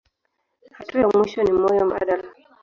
Hatua ya mwisho ni moyo mbadala.